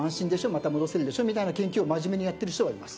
また戻せるでしょみたいな研究を真面目にやってる人はいます。